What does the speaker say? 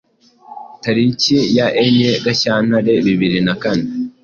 tariki ya enye Gashyantare bibiri na kane